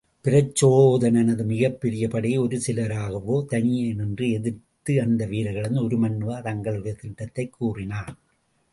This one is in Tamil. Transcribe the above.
பிரச்சோதனது மிகப்பெரிய படையை ஒரு சிலராகவே தனியே நின்று எதிர்த்த அந்த வீரர்களிடம், உருமண்ணுவா தங்களுடைய திட்டத்தைக் கூறினான்.